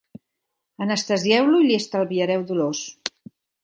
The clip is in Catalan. Anestesieu-lo i li estalviareu dolors.